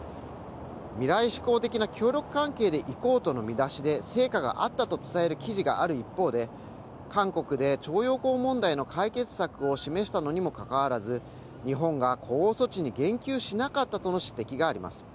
未来志向的な協力関係でいこうとの見出しで成果があったと伝える記事がある一方で、韓国で徴用工問題の解決策を示したのにもかかわらず日本が措置に言及しなかったとの指摘があります。